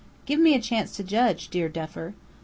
"Give me a chance to judge, dear Duffer."